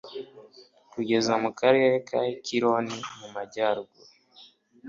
kugeza mu karere ka ekironi, mu majyaruguru